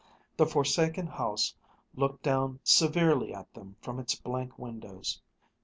The forsaken house looked down severely at them from its blank windows.